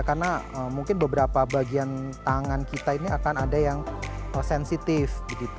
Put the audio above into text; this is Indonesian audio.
karena mungkin beberapa bagian tangan kita ini akan ada yang sensitif